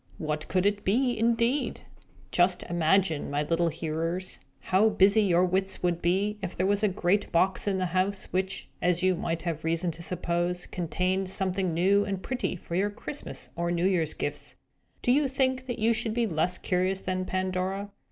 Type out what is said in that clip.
What could it be, indeed? Just imagine, my little hearers, how busy your wits would be, if there were a great box in the house, which, as you might have reason to suppose, contained something new and pretty for your Christmas or New Year's gifts. Do you think that you should be less curious than Pandora?